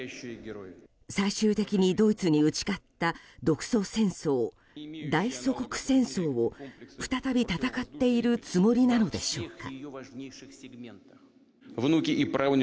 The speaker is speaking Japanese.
最終的にドイツに打ち勝った独ソ戦争大祖国戦争を再び戦っているつもりなのでしょうか。